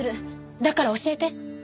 だから教えて。